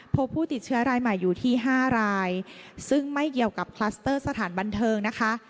พบผู้ติดเชื้อรายใหม่อยู่ที่๕รายซึ่งไม่เกี่ยวกับคลัสเตอร์สถานบันเทิงนะคะ